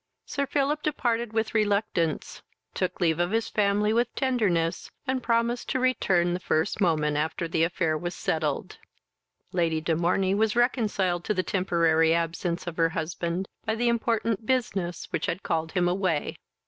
Sir Philip departed with reluctance, took leave of his family with tenderness, and promised to return the first moment after the affair was settled. Lady de Morney was reconciled to the temporary absence of her husband by the important business which had called him away.